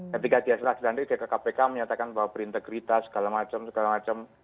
ketika dia selesai datang ke kpk menyatakan bahwa berintegritas segala macam